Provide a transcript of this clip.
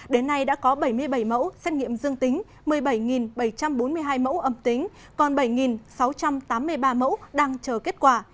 đến nay đã có bảy mươi bảy mẫu xét nghiệm dương tính một mươi bảy bảy trăm bốn mươi hai mẫu ẩm tính còn bảy sáu trăm tám mươi ba mẫu đang chờ kết quả